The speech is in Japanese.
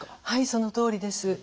はいそのとおりです。